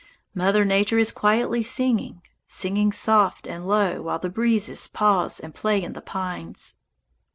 Mother Nature is quietly singing, singing soft and low while the breezes pause and play in the pines.